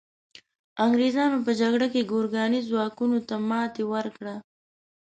انګریزانو په جګړه کې ګورکاني ځواکونو ته ماتي ورکړه.